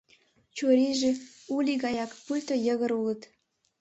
Чурийже Улий гаяк, пуйто йыгыр улыт.